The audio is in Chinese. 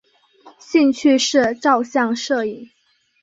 兴趣是照相摄影。